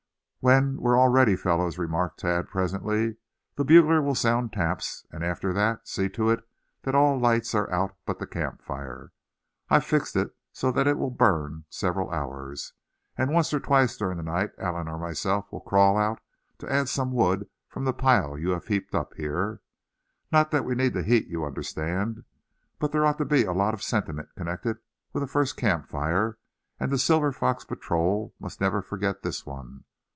"When we're all ready, fellows," remarked Thad, presently; "the bugler will sound taps, and after that, see to it that all lights are out but the camp fire. I've fixed that so it will burn several hours; and once or twice during the night Allan or myself will crawl out, to add some wood from the pile you heaped up here. Not that we need the heat, you understand; but there ought to be a lot of sentiment connected with a first camp fire; and the Silver Fox Patrol must never forget this one.